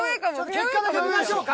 結果だけ見ましょうか。